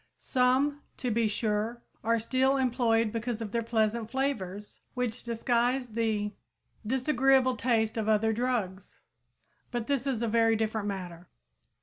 Some, to be sure, are still employed because of their pleasant flavors, which disguise the disagreeable taste of other drugs. But this is a very different matter.